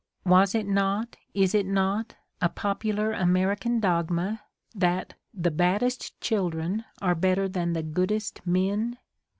"Was it not, is it not, a popular American dogma that '' the bad dest children are better than the goodest men"?